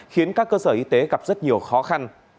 khiến các cơ sở y tế gặp rất nhiều khó khăn